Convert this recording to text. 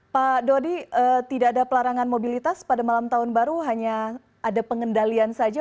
pak dodi tidak ada pelarangan mobilitas pada malam tahun baru hanya ada pengendalian saja